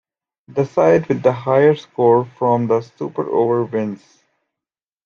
The side with the higher score from their Super Over wins.